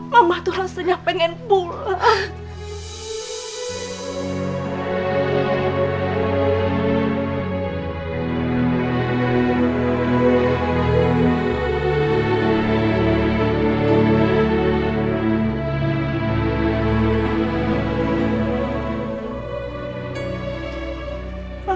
mama tuh rasanya pengen pulang